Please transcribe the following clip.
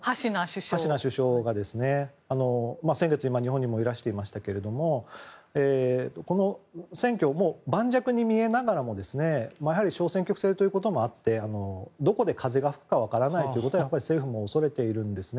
ハシナ首相ですが先月、日本もいらしていましたがこの選挙も盤石に見えながらもやはり小選挙区制ということもあってどこで風が吹くか分からないと政府も恐れています。